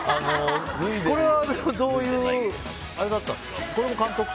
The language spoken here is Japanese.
これはどういうあれだったんですか？